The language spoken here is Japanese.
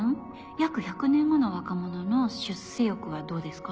約１００年後の若者の出世欲はどうですか？